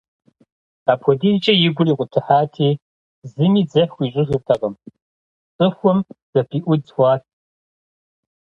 Апхуэдизкӏэ и гур икъутыхьати, зыми дзыхь хуищӏыжыртэкъым, цӏыхум зыпыӏуидз хъуат.